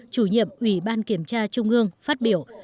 chủ nhiệm ủy ban kiểm tra trung ương phát biểu